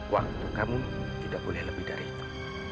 waktu kamu tidak boleh lebih dari itu